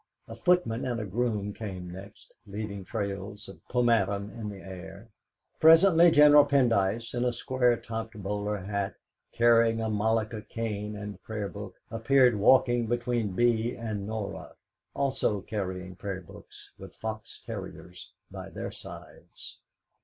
A footman and a groom came next, leaving trails of pomatum in the air. Presently General Pendyce, in a high square topped bowler hat, carrying a malacca cane, and Prayer Book, appeared walking between Bee and Norah, also carrying Prayer Books, with fox terriers by their sides.